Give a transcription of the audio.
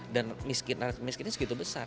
dan miskin miskinnya segitu besar